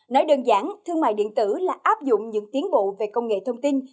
nói đơn giản thương mại điện tử là áp dụng những tiến bộ về công nghệ thông tin